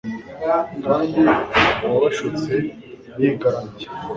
kandi uwabashutse yigaramiye